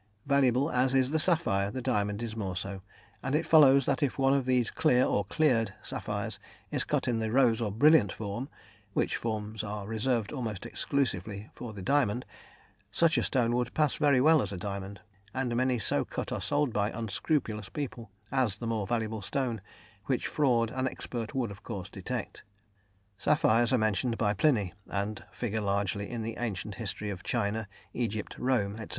Valuable as is the sapphire, the diamond is more so, and it follows that if one of these clear or "cleared" sapphires is cut in the "rose" or "brilliant" form which forms are reserved almost exclusively for the diamond such a stone would pass very well as a diamond, and many so cut are sold by unscrupulous people as the more valuable stone, which fraud an expert would, of course, detect. Sapphires are mentioned by Pliny, and figure largely in the ancient history of China, Egypt, Rome, etc.